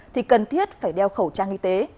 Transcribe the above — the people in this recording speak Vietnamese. thì cần thiết phải đeo khẩu trang y tế